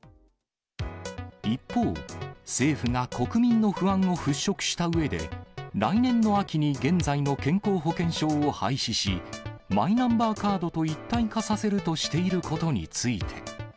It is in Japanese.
一方、政府が国民の不安を払拭したうえで、来年の秋に現在の健康保険証を廃止し、マイナンバーカードと一体化させるとしていることについて。